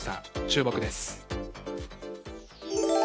注目です。